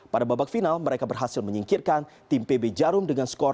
pada babak final mereka berhasil menyingkirkan tim pb jarum dengan skor dua